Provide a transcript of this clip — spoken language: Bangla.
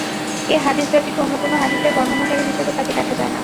এ হাদীস ব্যতীত অন্য কোন হাদীসের বর্ণনাকারী হিসেবে তাকে দেখা যায় না।